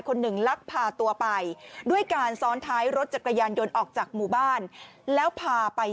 คนหนึ่งลักพาตัวไปด้วยการซ้อนท้ายรถจักรยานยนต์ออกจากหมู่บ้านแล้วพาไป